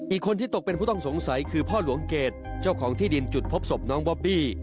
อีกคนที่ตกเป็นผู้ต้องสงสัยคือพ่อหลวงเกรดเจ้าของที่ดินจุดพบศพน้องบอบบี้